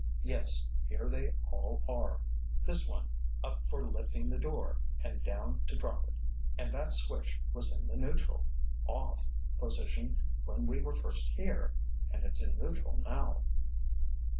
"Yes, here they all are—this one up for lifting the door, and down to drop it. And that switch was in the neutral—'off'—position when we were first here—and it's in neutral now."